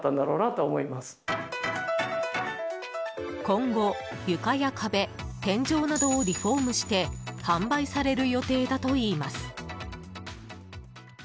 今後、床や壁天井などをリフォームして販売される予定だといいます。